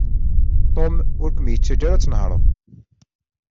Tom ur kem-yettaǧǧa ara ad tnehreḍ.